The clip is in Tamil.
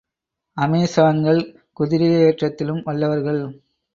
அமெசான்கள் குதிரையேற்றத்திலும் வல்லவர்கள்.